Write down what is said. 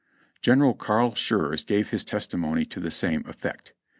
General Carl Schurz gives his testimony to the same effect.